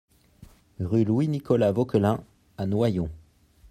Rue Louis Nicolas Vauquelin à Noyon